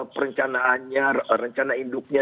perencanaannya rencana induknya